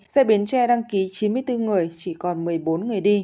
xe bến tre đăng ký chín mươi bốn người chỉ còn một mươi bốn người đi